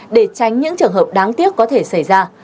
để tránh những trường hợp đáng tiếc có thể xảy ra